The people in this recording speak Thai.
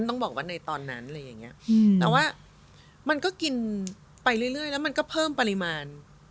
แต่ว่ามันก็กินไปเรื่อยแล้วมันก็เพิ่มปริมาณ